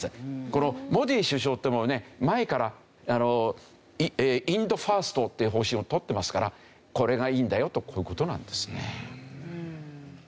このモディ首相ってもうね前からインド・ファーストっていう方針を取ってますからこれがいいんだよとこういう事なんですね。